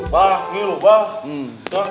bah ngilu bah